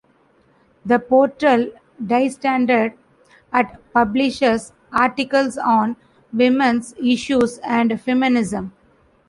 The portal diestandard.at publishes articles on women's issues and feminism.